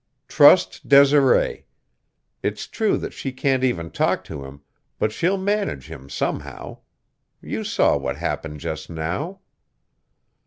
"Trust Desiree. It's true that she can't even talk to him, but she'll manage him somehow. You saw what happened just now."